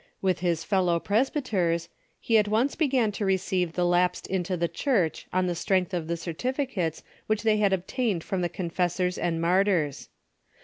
With his fellow presbyters, he at once began to receive the lapsed into the Church on the strength of the certificates which they obtained from the con fessors and martyrs.